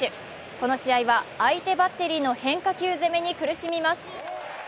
この試合は相手バッテリーの変化球攻めに苦しみます。